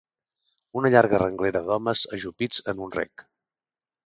Una llarga renglera d'homes ajupits en un rec